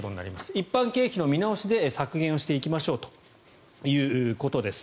一般経費の見直しで削減していきましょうということです。